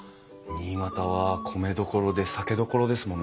新潟は米どころで酒どころですもんね。